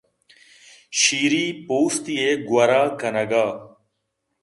شیری پوستے ءِ گوٛرءَ کنگ ءَ